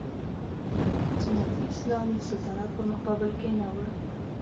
سنتي اسلام د سلطنت په مقابل کې نه و.